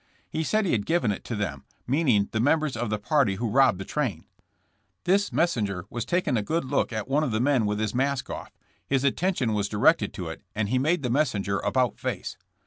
' He said he had given it to them, mean ing the members of the party who robbed the train. This messenger was taking a good look at one of the men with his mask off ; his attent, ion was directed to it and he made the messenger about face.